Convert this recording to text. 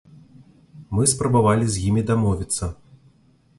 Мы спрабавалі з імі дамовіцца.